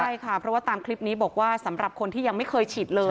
ใช่ค่ะเพราะว่าตามคลิปนี้บอกว่าสำหรับคนที่ยังไม่เคยฉีดเลย